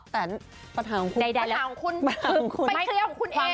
แต่ปัญหาของคุณใดปัญหาของคุณเป็นคดีของคุณเอง